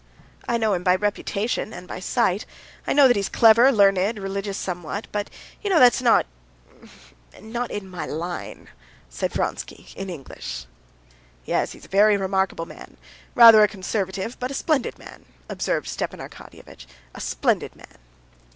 "I know him by reputation and by sight. I know that he's clever, learned, religious somewhat.... But you know that's not ... not in my line," said Vronsky in English. "Yes, he's a very remarkable man; rather a conservative, but a splendid man," observed Stepan Arkadyevitch, "a splendid man."